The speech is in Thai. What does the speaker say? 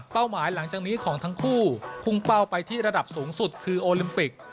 หมายหลังจากนี้ของทั้งคู่พุ่งเป้าไปที่ระดับสูงสุดคือโอลิมปิก